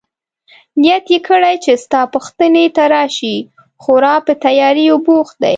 نیت يې کړی چي ستا پوښتنې ته راشي، خورا په تیاریو بوخت دی.